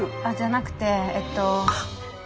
あっじゃなくてえっと。